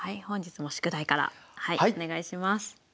本日も宿題からお願いします。